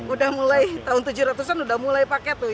udah mulai tahun tujuh ratus an udah mulai pakai tuh